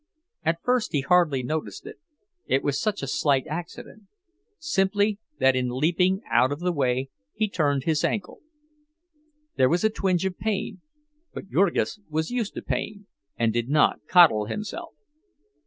At first he hardly noticed it, it was such a slight accident—simply that in leaping out of the way he turned his ankle. There was a twinge of pain, but Jurgis was used to pain, and did not coddle himself.